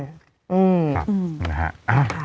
ครับ